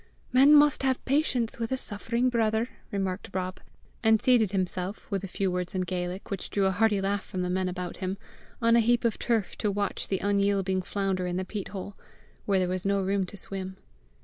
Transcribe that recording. "Men must have patience with a suffering brother!" remarked Rob, and seated himself, with a few words in Gaelic which drew a hearty laugh from the men about him, on a heap of turf to watch the unyielding flounder in the peat hole, where there was no room to swim.